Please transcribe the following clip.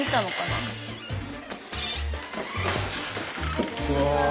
こんにちは。